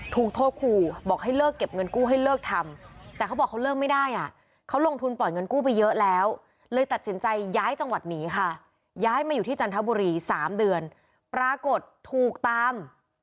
ถูกโทษคู่บอกให้เลิกเก็บเงินกู้ให้เลิกทำแต่เขาบอกเขาเลิกไม่ได้อ่ะเขาลงทุนปล่อยเงินกู้ไปเยอะแล้วเลยตัดสินใจย้ายจังหวัดหนีค่ะย้ายมาอยู่ที่จันทบุรี๓เดือนปรากฏถูกตาม